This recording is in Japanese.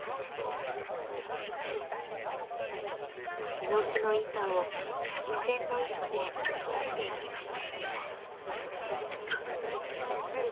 檜の板を三味線の糸でとじていきます。